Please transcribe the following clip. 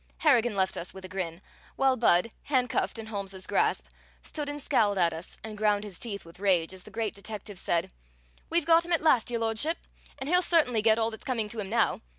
Harrigan left us with a grin, while Budd, handcuffed in Holmes's grasp, stood and scowled at us and ground his teeth with rage as the great detective said: "We've got him at last, Your Lordship, and he'll certainly get all that's coming to him now.